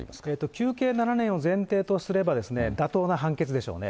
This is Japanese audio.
求刑７年を前提とすれば、妥当な判決でしょうね。